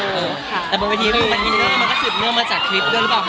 มคแต่บางทีฟิ้งของกินเนอร์ก็ซื้อเนื้อมาจากคลิปด้วยรึเปล่าคะ